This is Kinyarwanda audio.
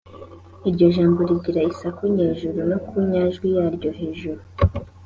iryo jambo rigira isaku nyejuru no ku nyajwi yaryo hejueru.